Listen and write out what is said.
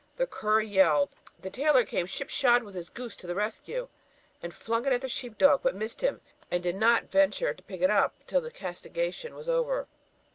The cur yelled. The tailor came slipshod with his goose to the rescue, and flung it at the sheep dog, but missed him, and did not venture to pick it up till the castigation was over.